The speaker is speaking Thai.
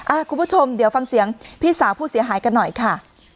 คุณผู้ชมเดี๋ยวฟังเสียงพี่สาวผู้เสียหายกันหน่อยค่ะ